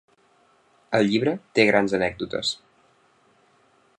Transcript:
El llibre té grans anècdotes.